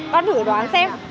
con thử đoán xem